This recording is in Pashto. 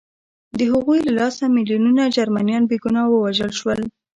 د هغوی له لاسه میلیونونه جرمنان بې ګناه ووژل شول